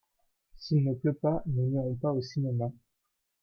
S'il ne pleut pas nous n'irons pas au cinéma.